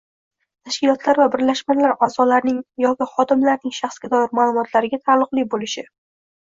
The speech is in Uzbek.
tashkilotlar va birlashmalar a’zolarining yoki xodimlarining shaxsga doir ma’lumotlariga taalluqli bo‘lishi